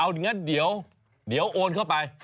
เอางั้นเดี๋ยวโอนเข้าไป